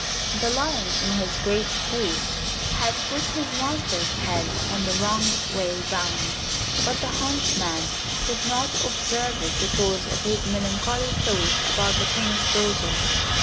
The lion in his great haste had put his master's head on the wrong way round, but the huntsman did not observe it because of his melancholy thoughts about the King's daughter.